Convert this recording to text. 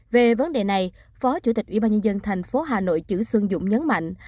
về vấn đề này phó chủ tịch ubnd tp hà nội chữ xuân dũng nhấn mạnh